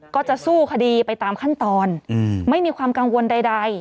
ก็จะสู้คดีไปตามขั้นตอนไม่มีความกังวลใด